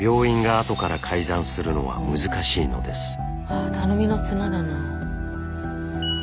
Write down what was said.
あ頼みの綱だな。